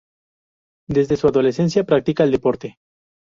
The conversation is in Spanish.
Desde su adolescencia practica el deporte.